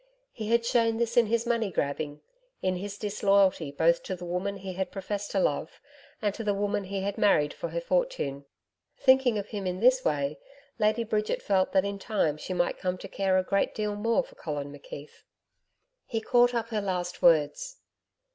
He had shown this in his money grabbing, in his disloyalty both to the woman he had professed to love, and to the woman he had married for her fortune. Thinking of him in this way, Lady Bridget felt that in time she might come to care a great deal more for Colin McKeith. He caught up her last words.